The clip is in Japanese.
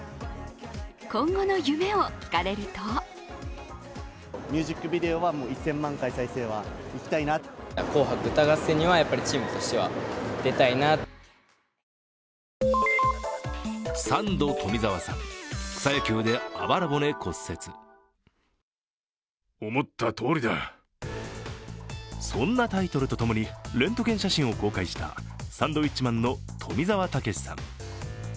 今後の夢を聞かれるとそんなタイトルとともに、レントゲン写真を公開したサンドウィッチマンの富澤たけしさん。